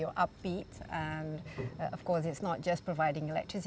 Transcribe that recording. dan tentunya tidak hanya menawarkan elektrik